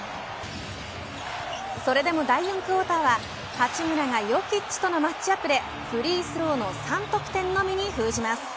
それでも第４クオーターは八村がヨキッチとのタイアップでフリースローの３得点のみに封じます。